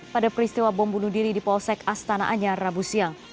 pada peristiwa bom bunuh diri di polsek astana anyar rabu siang